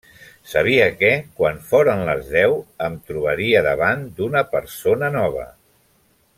Sabia que, quan foren les deu, em trobaria davant d’una persona nova.